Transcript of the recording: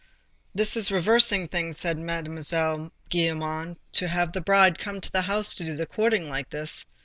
—"This is reversing things," said Mademoiselle Gillenormand, "to have the bride come to the house to do the courting like this."